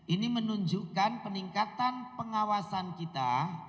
ini menunjukkan peningkatan pengawasan kita